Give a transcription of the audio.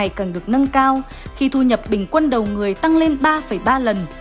tỷ lệ hội nghèo được nâng cao khi thu nhập bình quân đầu người tăng lên ba ba lần